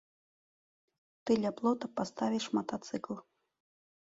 Ты ля плота паставіш матацыкл.